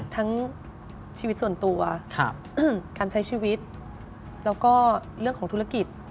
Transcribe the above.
ทั้งชีวิตส่วนตัวการใช้ชีวิตแล้วก็เรื่องของธุรกิจ